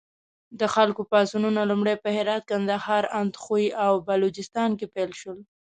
د خلکو پاڅونونه لومړی په هرات، کندهار، اندخوی او بلوچستان کې پیل شول.